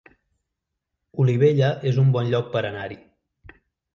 Olivella es un bon lloc per anar-hi